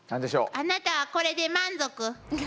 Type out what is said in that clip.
あなたはこれで満足？